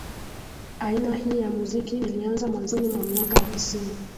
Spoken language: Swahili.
Aina hii ya muziki ilianza mwanzoni mwa miaka ya tisini